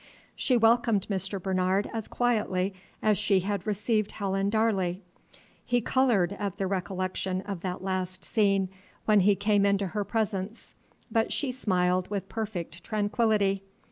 She welcomed Mr. Bernard as quietly as she had received Helen Darley. He colored at the recollection of that last scene, when he came into her presence; but she smiled with perfect tranquillity.